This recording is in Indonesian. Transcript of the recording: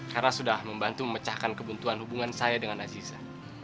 karena sudah membantu memecahkan kebuntuan hubungan saya dengan aziza